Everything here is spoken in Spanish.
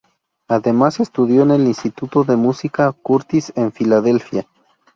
Además estudió en el Instituto de Música Curtis en Filadelfia.